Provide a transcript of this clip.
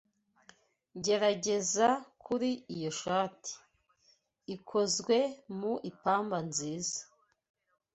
Gerageza kuri iyo shati. Ikozwe mu ipamba nziza.